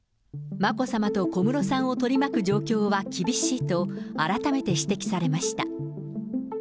眞子さまと小室さんを取り巻く状況は厳しいと、改めて指摘されました。